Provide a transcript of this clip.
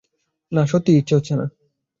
না, সত্যিই ইচ্ছে হচ্ছে না।